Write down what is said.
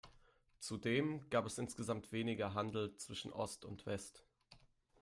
Zudem gab es insgesamt weniger Handel zwischen Ost und West.